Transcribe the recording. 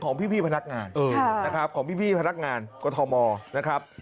ของพี่พนักงานของพี่พนักงานกฐมนะครับ